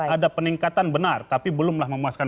ada peningkatan benar tapi belumlah memuaskan